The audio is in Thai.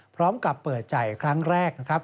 พร้อมกับเปิดใจครั้งแรกนะครับ